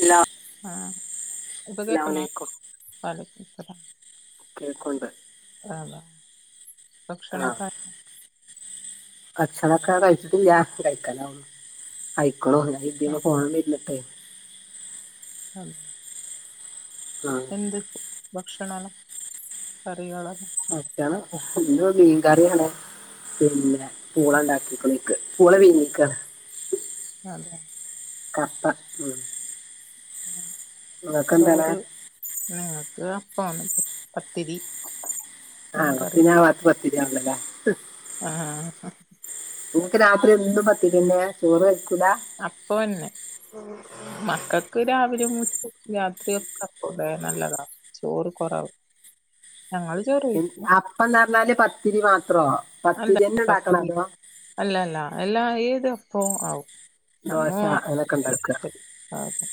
ഇല്ല. ആഹ് ഇപ്പൊ കേക്കുന്നോ? വാലയ്ക്കുമുസ്ലലാം. കേൾക്കുണ്ട് അതാ ഭക്ഷണക്കാ. ഭക്ഷണക്കെ കഴിച്ചിട്ടില്ല. കഴിക്കാനാവന്ന്. കയിക്കോളോ ഞാൻ ഇതി ആഹ് ഫോണ്‌ല് ഇരുന്നിട്ടെ. [unintelligible] ആഹ് എന്ത് ഭക്ഷണ കറികളാ? ഭക്ഷണം ഇന്ന് മീൻകറിയാണ് പിന്നെ പൂളണ്ടാക്കിക്കുണേ. ക്ക് പൂള വീങ്ങിക്കണ്. [unintelligible] കപ്പ ഉം നിങ്ങക്കെന്താണ് ചോറ് പിന്നങ്ങൾക്ക് പ്പാണ് പത്തിരി. ആഹ് ങ്ങക്ക് മീൻകറി പിന്നെ അ പാത്ത് പത്തരിയാണൊല്ലെലേ. ഉം നിങ്ങക്ക് രാത്രി എന്നും പത്തിരിന്നേ? ചോറ് വെക്കൂലാ? അപ്പൊന്നെ. മക്കൾക്ക് രാവിലിം മു രാത്രിയൊക്കെ അപ്പെം ഏ നല്ലതാ. ചോറ് കുറവ്. എ അപ്പം ന്നർഞ്ഞാല് പത്തിരി മാത്രോ. അല്ല പത്തിരി തന്നെ ഉണ്ടാക്കണോ പത്തി അതോ അല്ലല്ല എല്ലാ ഏത്പ്പവും ആവും. ദോശ നമ്മോ അങ്ങനൊക്കെ ഉണ്ടാക്കുക [inaudible]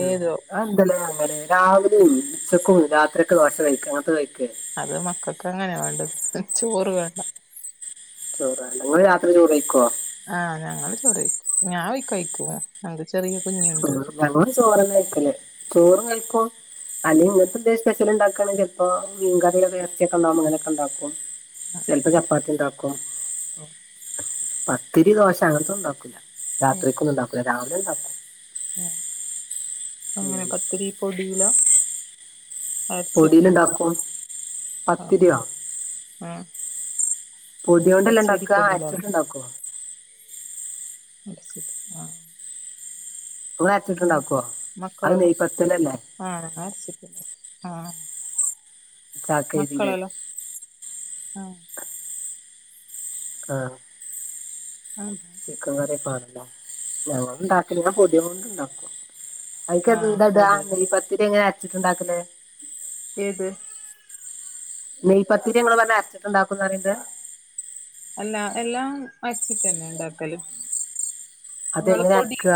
ഉം ആഹ് എന്തല്ലേ അങ്ങനെ രാവിലെയും ഉച്ചക്കും രാത്രിയൊക്കെ ദോശ കഴിക്ക് അങ്ങനത്തെ കഴിക്കേ അത് മക്കൾക്ക് അങ്ങനെയാ വേണ്ടത് ചോറ് വേണ്ട [inaudible] [unintelligible] രാത്രി ചോറ് കഴിക്കോ ആഹ് ഞങ്ങള് ചോറ് കഴിക്കും ഞാ കഴിക്കൂല എൻ്റെ ചെറിയ ചോറ് കുഞ്ഞുണ്ട് ഞങ്ങള് ചോറ്ന്ന കഴിക്കല് ചോറ് കഴിക്കോ അല്ല ഇങ്ങനത്തെ ഈ സ്പെഷ്യൽ ഇണ്ടാക്കണങ്കിൽ ചെൽപ്പോ മീൻകറിയോ ഇറച്ചിക്കെ ഇണ്ടാവുമ്പോ അങ്ങനെൊക്കെ ഉണ്ടാക്കും. ചെല്ലപ്പോ ചപ്പാത്തി ഇണ്ടാക്കും പത്തിരി ദോശ അങ്ങന് ത്ത ഉണ്ടാക്കൂല രാത്രിക്കൊന്നും ഉണ്ടാക്കൂല്ല രാവിലെ ഇണ്ടാക്കും ആഹ് അങ്ങനെ ഉം. പത്തിരി പൊടീലാ അരച്ചിട്ട് പൊടിയിലുണ്ടാക്കും ആഹ് പത്തിരിയോ ആഹ് പൊടി പച്ചരി കൊണ്ടല്ലണ്ടാക്കാ പൊടിയിലാണോ അരച്ചിട്ട് ഇണ്ടാക്കോ [unintelligible] ആഹ് [unintelligible] പിന്നെ ണ്ടാക്കുവോ അത് മക്കളെല്ലാം നെയ്പത്തതല്ലെ ആഹ് വരച്ചിട്ടില്ലേ ആഹ് ചാക്കരിയില് മക്കളല്ലോ ആഹ് ആഹ് ആഹ് ചിക്കൻ കറി പാടുണ്ടോ ഞങ്ങള് ഇണ്ടാക്കൽ കൊതീണ്ട് ഇണ്ടാക്കും അയിക്ക് ആഹ് ന്തടാ പൊടി നെയ്പ്പത്തിരി എങ്ങനെ അരച്ചിട്ടുണ്ടാക്കല് ഏത് നെയ് പത്തിരി ഇങ്ങള് പറഞ്ഞ് അരിച്ചിട്ടുണ്ടാക്കുംന്ന് പറയുന്നത് അല്ലാ എല്ലാം അരച്ചിട്ടന്നെ ഇണ്ടാക്കല് നിങ്ങള് അതെങ്ങനെ പൊടി അരക്കുക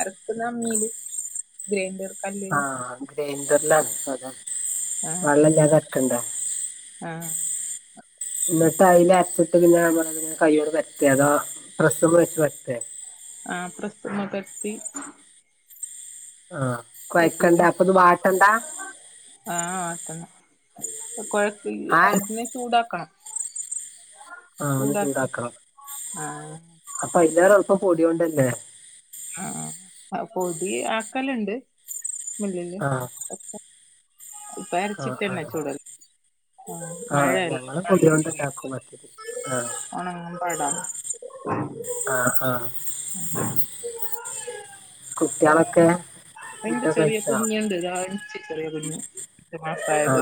അരക്കുന്ന അമ്മീല് ഗ്രൈൻർ കല്ല ആഹ് ഗ്രൈൻഡറ്‌ല അരക്കാലേ ആഹ് വെള്ളം ഇല്ലാതെ അരക്കണ്ടേ ആഹ് എന്ന്ട്ട് അയില് അരച്ചിട്ട് പിന്നെ കൈയോട് പരുത്ത തോ പ്രസ്സ്മ വെച്ച് പരത്തോ ആഹ് പ്രസ്സിമ്മേ പരത്തി ആഹ് ചട്ടീല് ആഹ് അതന്നെ കൊ ആ അതിനെ ചൂടാക്കണം ആ ഒന്ന് ചൂടാക്കി ചൂടാക്കണം ആഹ് അപ്പൊ അയിലെറെ എളുപ്പം പൊടിയൊണ്ടന്നേ ആഹ് പൊടി ആക്കലിണ്ട് മില്ലില് ആ ഇപ്പ ആ ആ അരച്ചിട്ടന്നെ ചുടല്ല് ആഹ് ആ മഴല്ലേ ഞങ്ങൾ പൊടി കൊണ്ട് ഉണ്ടാക്കും പത്തിരി ആ ആഹ പടാം ആഹ് ആഹ് [inaudible] കുട്ടികളൊക്കെ വേറെ എന്റെ ഫുഡൊക്കെ ചെറിയ കഴിച്ചാ കുഞ്ഞിണ്ട് [unintelligible] ചെറിയ കുഞ്ഞ് പത്ത് മാസായത്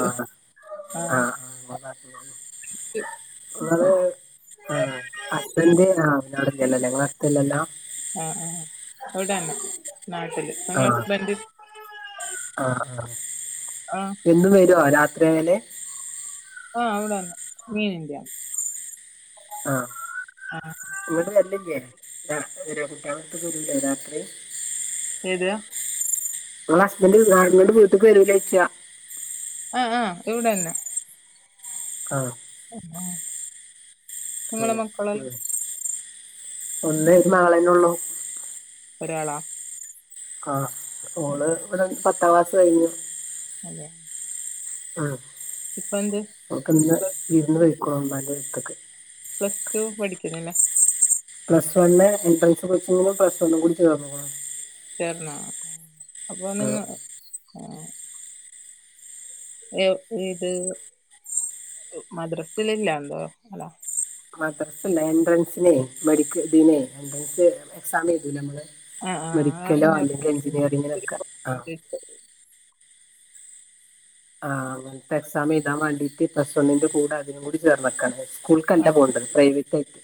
ആഹ് ആഹ് ഇങ്ങള് പറഞ്ഞീനു ങ്ങള് ആഹ് ഹസ്ബൻഡ് ആഹ് അവിടെല്ലല്ലോ ഇങ്ങടെ അടുത്തല്ലല്ലോ ആഹ് ആഹ് ഇവിടാണ് നാട്ടില് ഇങ്ങള ഹസ്ബന്റ് ആഹ് ആഹ് ആഹ് എന്നും വരുവോ രാത്രി ആയാല് ആഹ് അവിടന്നെ മീനില്ല്യാ ആഹ് ഇങ്ങട് വര്‌ല്ല്ലേ ആഹ് വരോ കുട്ട്യാ ട്ത്തക്ക് വരൂലേ രാത്രി എതാ ങ്ങളെ ഹസ്ബന്റ് ങ്ങട് വീട്ട്ക്ക് വരൂലെ ചോയ്ച്ച ആ ആ ഇവിടന്നെ ആ [unintelligible] നിങ്ങളെ ആഹ് മക്കളെല്ല [unintelligible] ഒന്ന് ഒരു മകളന്നെള്ളൂ ഒരാളാ ആഹ് ഓള് അതെ ഇവിടെ പത്താം ക്ലാസ് കഴിഞ്ഞു അതെ ആഹ് ഇപ്പയ്ന്ത് ഓക്ക് ഇന്ന് വിരുന്ന് പൊയ്ക്കോ മ്മാന്റെ അടുത്ക്ക് പ്ലസ് ടു പഠിക്ക്ണ്ലെ പ്ലസ് വണ്ണ് എൻട്രൻസ് കോച്ചിങ്ങിനും പ്ലസ് വൺ കൂടി ചേർന്ന്കുണു ചേർന്നോ അപ്പോ നിങ്ങ ആഹ് ഏപ്രിൽ ത് മദ്രസ് ല് ല്ലന്തോ അങ്ങനാ മദ്രസല്ല എൻട്രൻസിനെ മെഡിക്കൽ ഇതിനെ എൻട്രൻസ് എക്സാം എയ്തൂലെ അമ്മള് ആ ആ മെഡിക്കലോ അല്ലെങ്കിൽ അതറിഞ്ഞാരുന്നു എഞ്ചിനീയറിങ്ങിനൊക്കെ ആഹ് ആഹ് അങ്ങനത്തെ എക്സാം എഴുതാൻ വേണ്ടിട്ട് പ്ലസ് വണ്ണിൻ്റെ കൂടെ അതിനും കൂടി ചേർന്നെക്കാണ് സ്കൂൾ ക്കണ്ട പോണ്ടത് പ്രൈവറ്റ് ആയിറ്റ്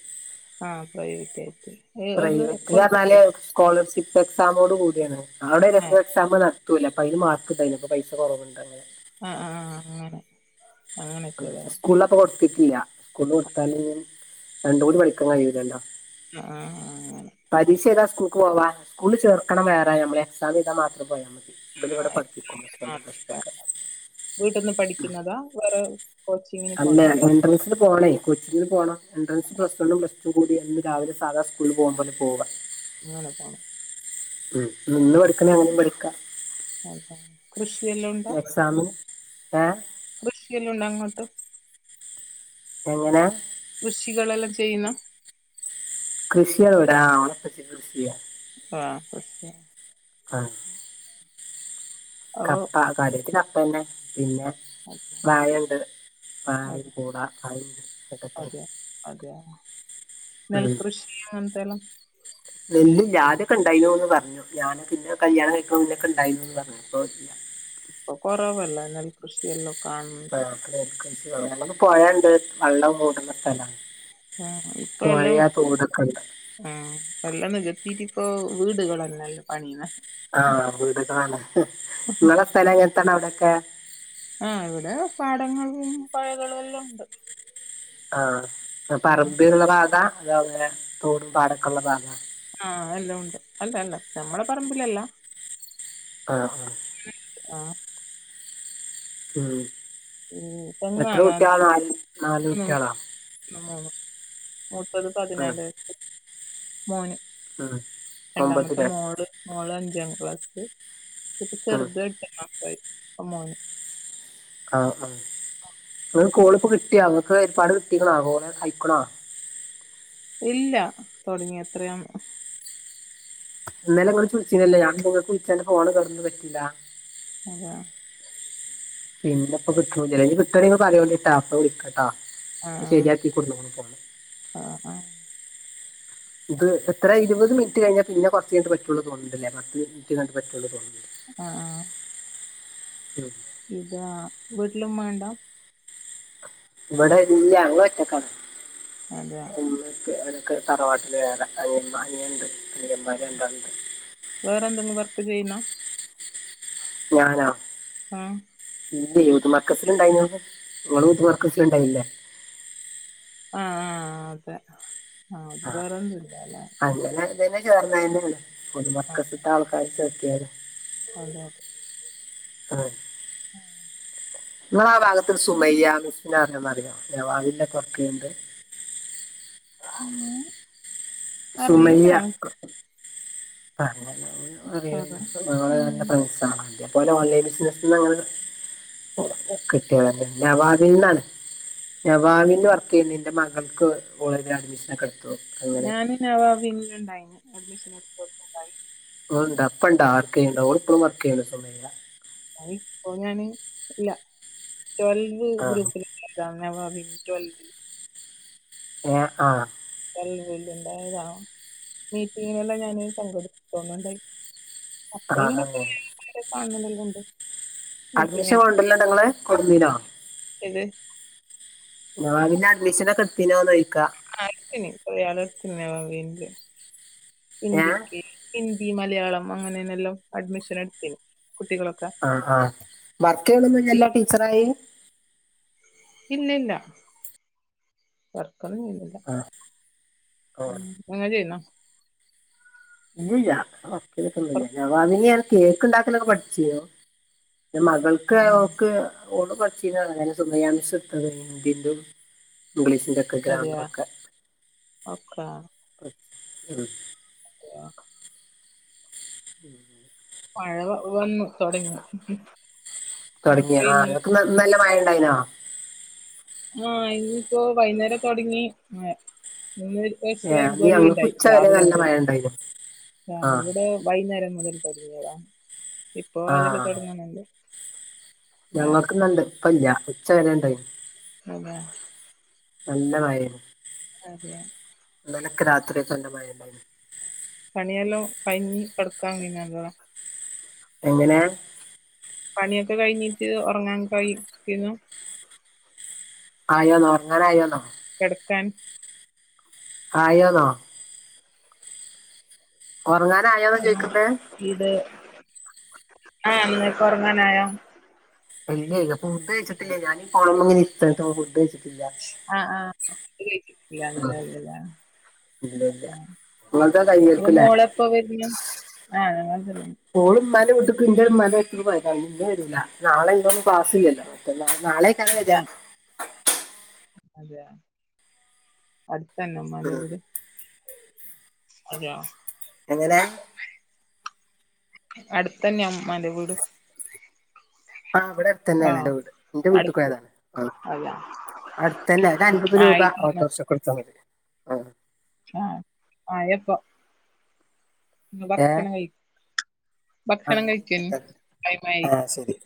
ആഹ് പ്രൈവറ്റ് ആയിറ്റ് പ്രൈവറ്റ് അറഞ്ഞാല് സ്കോളർഷിപ്പ് എക്സാമോട് കൂടിയാണ് അവിടെ ആ [unintelligible] എക്സാം കിട്ടൂലെ അപ്പ അയ്ല് മാർക്ക് ണ്ടായ്നി അപ്പ പൈസ കൊറവ്ണ്ട് അങ്ങനെ അഹ് ആഹ് അങ്ങനെ അങ്ങനെ ചെയ്ത ആഹ് സ്കൂള് അപ്പൊ കൊടുത്തിട്ടില്ല സ്കൂള് കൊടുത്താല് രണ്ടും കൂടി പഠിക്കാൻ കഴിയൂല്ലല്ലോ അഹ് ആഹ് ആഹ് അങ്ങനെ പരീക്ഷ എയ്താൻ സ്കൂക്ക് പോവാ സ്കൂൽ ചേർക്കണം വേറെ നമ്മള് എക്സാം എഴുതാൻ മാത്രം പോയാമതി ഇബല് ആ, ഇവടെ പഠിപ്പിക്കും പ്ലസ് വണ്ണും പ്ലസ്റ്റും ഒക്കെ വീട്ട്ന്ന് പഠിക്കുന്നതാ വേറെ കോച്ചിങ്ങിന് അല്ല പോണ്ടേ എൻട്രൻസിന് പോണേയ് കോച്ചിങ്ങിന് പോണം എൻട്രൻസ് പ്ലസ് വണ്ണും പ്ലസ്ടും കൂടി എന്നും രാവിലെ സാധാ സ്കൂള് പോണ പോലെ പോവാ ഇങ്ങനെ പോണം ഉം നിന്ന് പഠിക്കണേ അങ്ങനിം പഠിക്കാ അഹ് ആഹ് കൃഷിയെല്ലാം ഉണ്ടാ താമിന് ഏഹ് കൃഷി എല്ലാം ഉണ്ടോ അങ്ങോട്ട് എങ്ങനെ കൃഷികളെല്ലാം ചെയ്യുന്നോ കൃഷിഎവിടെ ആഹ് ഓളെ ഇപ്പച്ചി കൃഷിയ്യാ ആഹ് കൃഷിയാണ് ആഹ് അപ്പൊ കപ്പ കാര്യയിട്ട് കപ്പന്നെ പിന്നെ അതെ വാഴണ്ട് അതെ [unintelligible] പൂള അതുണ്ട് [unintelligible] തൊക്കോ അതെയോ ഉം. നെൽകൃഷി അങ്ങൻത്തെല്ലം നെല്ലില്ല ആദ്യൊക്കെ ണ്ടായിന്നുന്ന് പറഞ്ഞു ഞാനൊക്കെ ന്നെ കല്യാണം കയിക്കണ മുന്നെക്കെ ണ്ടായിരുന്നുന്ന് പറഞ്ഞു പ്പൊ ഇല്ല ഇപ്പൊ കൊറവല്ലേ നെൽകൃഷിയെല്ലാം കാണുന്നത് ആഹ് [unintelligible] പ്പൊ പൊഴണ്ട് വെള്ളം പൂട്ട്ന്ന സ്ഥലാണ് പോഴാ തോട് ഒക്കെണ്ട് ഏഹ് എല്ലാം നികത്തിട്ട് പ്പൊ വീടുകളെന്നല്ലം പണിയുന്ന് ആഹ് വീടുകളാണ് ങ്ങളെ സ്ഥലം എങ്ങനത്താണ് അവിടെക്കെ അഹ് ഇവിടെ പാടങ്ങളും പൊഴകളെല്ലും ഉണ്ട് ആഹ് പ്പൊ ആഹ് പറമ്പേര്ന്ന ഭാഗാ അതോ ങ്ങനെ തോടും പാടൊക്കെ ഉള്ള ഭാഗാ ആഹ് എല്ലൊം ഉണ്ട് അല്ല അല്ല ഞമ്മളെ പറമ്പിലല്ല ആഹ് ആഹ് ആഹ് ഉം എത്ര പെണ്ണാണ് കുട്ടികള ആദ്യം നല് നാല മൂന്ന് കുട്ടികളാ മൂന്ന് മുപ്പത് ഉം, പതിനാല് മോന് ഉം. രണ്ടാമത്തെ ഒമ്പതില് മോള് നൂള അഞ്ചാം ക്ലാസ് ഇപ്പ ഉം. ചെറുത ഇട്ട് ക്ലസായി അപ്പൊ മോന് ആഹ് ആഹ് ആ നിങ്ങ കോളിപ്പോൾ കിട്ടിയാ അവക്ക് ഒരുപാട് കിട്ടിക്കണാ കോലെ കഴിക്കണോ ഇല്ല തുടങ്ങിയ എത്രയും ഇന്നലെങ്ങളു ചോയിച്ചില്ലല്ലേ ഞാൻ [unintelligible] ഫോണ് [unintelligible] പറ്റില്ല അതെ പിന്നെപ്പ കിട്ടുല്ല [unintelligible] അപ്പ വിളിക്ക [unintelligible] ശരിയാക്കി കൊണ്ട് പോണം പോ ആഹ് ആഹ് ഇത് എത്ര ഇരുപത് മിനിറ്റ് കഴിഞ്ഞാൽ പിന്നെ കുറച്ച് കിട്ട പറ്റുള്ള തോന്നുന്നുണ്ടില്ലേ പത്ത് മിനിറ്റ് കണ്ടട്ട പറ്റുള്ള തോന്നില്ല ആഹ് ആഹ് ഉം ഇതാ വീട്ടിലും ഉമ്മണ്ടോ ഇവിടെ നീ ഞങ്ങ ഒറ്റക്കാണ് അതെ [unintelligible] തറവാട്ടില് വറെ അ അനുണ്ട് പിന്ന്മാര്ണ്ടാണ്ട് വേറെ എന്തെങ്കിലും വർക്ക് ചെയ്യുന്ന ഞാനാ ആഹ് [unintelligible] മർക്കസൽണ്ടായി [unintelligible] മർക്കസൽ ഉണ്ടായില്ലേ ആഹ് ആ് അതെ ആഹ് ആ വേറെന്നുംല്ല അല്ലേ [unintelligible] ചേർന്ന [unintelligible] ആ, അതെ മർക്കസത്തെ ആൾക്കാർ ചേർക്കത് [unintelligible] ആഹ് ആ നിമ്മൾ ആ ഭാഗത്തി സുമയ്യ [unintelligible] അറന്ന്റിയോ ജവാവില്ല [unintelligible] ണ്ട് ഉം. [unintelligible] [unintelligible] അറിയ അതെ ഞങ്ങള് നല്ല ഉം. ഫ്രണ്ട്സ അണ് [unintelligible] ഓൺലൈൻ ബിസിനസ്ൾ [inaudible] കിട്ടികളന്നാ വാതിന്നാണ് നവാവിന്ന് അതെയോ വർക്ക് ചെയ്യുന്നു എന്റെ മകൾക്ക് കോളേജിൽ അഡ്മിഷന ഒക്കെ എടുത്തു അങ്ങനെ നവാന്നുണ്ടായി അഡ്മിഷൻ എടുത്ത [unintelligible] അപ്പണ്ടാ ആർക്കെയുണ്ടാ ഓപ്പും വർക്കെയണ്ടണ്ട് സുമയ അയ് പോഞണ് ഇല്ല ട്വൽവ് ആ ഗ്രൂപ്പില് [unintelligible] [unintelligible] ആഹ് ആഹ് [unintelligible] മീറ്റിങ്ങിനെല്ലാം ഞാൻ പങ്കെടുപ്പ ന്നുണ്ടായി അപ്പൊ ആ ഇങ്ങനെ അങ്ങനെ കാണണതെല്ലാം ഉണ്ട് അഡ്മിഷൻ മീറ്റിങ്ങിൽ കൊണ്ടല്ലോ നിങ്ങള് കൊടുന്നീരോ ഇത് [unintelligible] പിന്നെ അഡ്മിഷന ഒക്കെ എടുത്തീനയിക് എന്ന് ചോദിക്ക [unintelligible] കൊയാളത്തിന്നെ [unintelligible] ഏ ഹിന്ദിക്ക് ഹിന്ദി മലയാളം അങ്ങനെന്നെല്ലാം അഡ്മിഷൻ എടുത്തരും കുട്ടികളൊക്കെ ആഹ് ആഹ് വർക്ക് ചെയ്യണല്ല ടീച്ചറായി ഇല്ലില്ലാ വർക്കൊന്നും ചെയ്യുന്നില്ല ഇങ്ങള് ചെയുന്നോ ഇല്ലല്ല വർക്ക്? [unintelligible] നവാവിൽ ഞാൻ കേക്ക് ഉണ്ടാക്കലൊക്കെ പഠിചീനു ഉം. മകൾക്ക് ഉം. ഓക്ക് ഓള് പഠിച്ചിന്ന് അങ്ങനെ തന്നെ സുമയാമിസ്സ് ട്ത്തത് ഹിന്ദീന്റെ ഇംഗ്ലീഷിന്റെ ഒക്കെ അതെയ ഗ്രാമറൊക്കെ ഒക്കാ [unintelligible] [inaudible] [inaudible] മഴ വന്ന് തുടങ്ങി ഇങ്ങോട്ട് തുടങ്ങിയ ആ പെയ്യുന്നുണ്ട് നിങ്ങക്ക് നല്ല മഴ ഉണ്ടായിനോ ആഹ് ഇന്നിപ്പോ വൈന്നേരം തുടങ്ങി മഴ ഇന്ന് ഏ അന്ന് ഞങ്ങൾക്ക് [unintelligible] ഉച്ച വരെ രാവിലെ നല്ല മഴ ഉണ്ടായിരുന്നു ആ [unintelligible] വൈകുന്നേരം മുതൽ തുടങ്ങിയതാണ് ഇപ്പൊ ആ അതില്ലാം തുടങ്ങുന്നത് ഞങ്ങൾക്ക്ന്നണ്ട് ഇപ്പ ഇല്ല ഉച്ച വരെ ഉണ്ട അതെ നല്ല മഴെ അതെ ഇന്നലൊക്കെ രാത്രി മഴേ പണിയെല്ലാം കഴിഞ്ഞി കിടക്കാൻ [unintelligible] എങ്ങനെ പണിയൊക്കെ കഴിഞ്ഞിട്ട് ഉറങ്ങാൻ [unintelligible] ആയോന്നോ ഉറങ്ങനയൊന്നോ കിടക്കാൻ ആയോന്നോ ഒറങ്ങാനയോന്നോ ചോദിക്കണ്ടേ ഇത് ആഹ് ഒറങ്ങാനായോ അല്ലേ അപ്പ ഫുഡ് കഴിച്ചിട്ടില്ല ഞാനീ ഫോണെന്മേ ഇങ്ങനെ ഇരുതെയാട്ടോ ഫുഡ് കഴിച്ചിട്ടില്ല ആഹ് ആഹ് [unintelligible] ആഹ് ഇല്ല ഇല്ല നിങ്ങളത് അപ്പോ കഴിഞ്ഞേൽക്കില്ലേ മോള് [unintelligible] ഓള് ഉമ്മന്റെ വീട്ടിക്ക്‌ ഇന്റെ ഉമ്മാന്റെ വീട്ടിൽ പോയേക്ക ഇന്ന് വരുല്ല നാളെ [unintelligible] പാസ്സില്ലല്ലോ അപ്പ നാളെ [unintelligible] വരാ അതെയ അടുത്തന്നെ ഉമ്മാന്റെ വീട് അതെ എങ്ങന അടുത്തന്നെയ ഉമ്മാന്റെ വീട് ആഹ് ഇവിടെ ആ അടുത്ത്ന്നെയാണ് ഇന്റെ വീട് എന്റെ വീട്ട അടുത്ത് പോയതാണ് ആ അതെ അടുത്തന്നെ ഒര് അൻപത് രൂപ ആയി ഓട്ടോറിക്ഷ കൊടുത്തമതി ആഹ ആയപ്പോ നിങ്ങൾ ഏ ഭക്ഷണം കഴി ആ ഭക്ഷണം എന്നാ കഴിക്കാൻ ആയിക്കോട്ടെ ടൈംആയി ആ ശരി